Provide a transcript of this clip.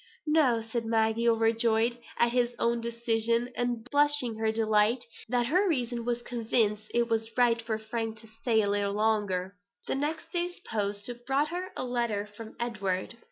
"No" said Maggie, overjoyed at her own decision, and blushing her delight that her reason was convinced it was right for Frank to stay a little longer. The next day's post brought her a letter from Edward.